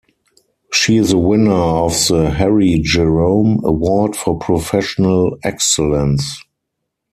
She is a winner of the Harry Jerome Award for professional excellence.